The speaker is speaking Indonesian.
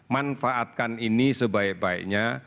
manfaatkan ini sebaik baiknya